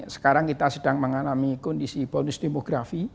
sekarang kita sedang mengalami kondisi bonus demografi